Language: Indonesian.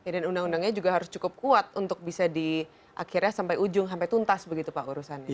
undang undangnya juga harus cukup kuat untuk bisa di akhirnya sampai ujung sampai tuntas begitu pak urusannya